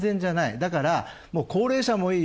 だから、高齢者もいいよ。